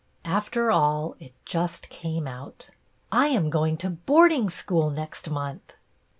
After all, it just came out. " I am going to boarding school next month."